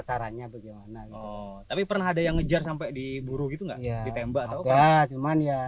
diangkat tapi pernah ada yang ngejar sampai diburu gitu nggak ya ditembak atau kelas cuman ya